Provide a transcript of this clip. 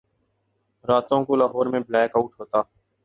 راتوں کو لاہور میں بلیک آؤٹ ہوتا۔